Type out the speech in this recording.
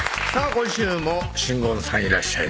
今週も新婚さんいらっしゃい！